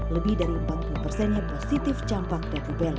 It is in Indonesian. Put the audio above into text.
lebih dari empat puluh persennya positif campak dan rubella